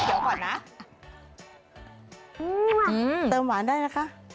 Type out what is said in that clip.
อื้มอืมเติมหวานได้นะคะ